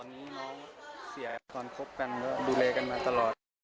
ตอนนี้น้องเสียตอนคบกันก็ดูแลกันมาตลอด